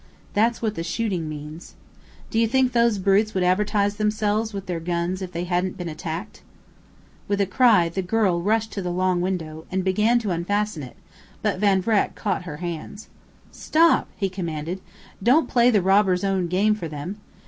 That's what the shooting means. Do you think those brutes would advertise themselves with their guns if they hadn't been attacked?" With a cry the girl rushed to the long window, and began to unfasten it, but Van Vreck caught her hands. "Stop!" he commanded. "Don't play the robbers' own game for them!